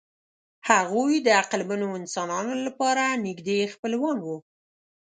هغوی د عقلمنو انسانانو لپاره نږدې خپلوان وو.